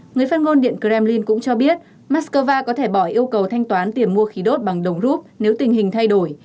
người phát ngôn điện kremlin cũng cho biết moscow có thể bỏ yêu cầu thanh toán tiền mua khí đốt bằng đồng rút nếu tình hình thay đổi